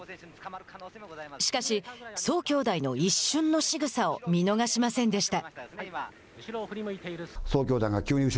しかし、宗兄弟の一瞬のしぐさを見逃しませんでした。